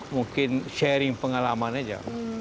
mungkin sharing pengalaman aja